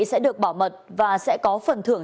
sẽ được bảo mật và sẽ có phần thưởng